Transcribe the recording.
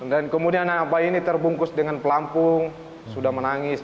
dan kemudian anak bayi ini terbungkus dengan pelampung sudah menangis